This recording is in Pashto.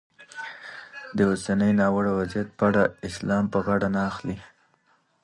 د اوسني ناوړه وضیعت پړه اسلام پر غاړه نه اخلي.